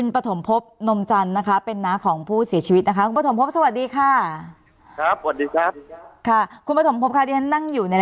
ผมนั่งอยู่